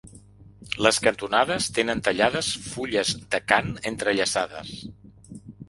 Les cantonades tenen tallades fulles d'acant entrellaçades.